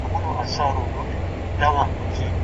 د لارښود او شاګرد مزاجي یووالی د څېړني لپاره ډېر اړین دی.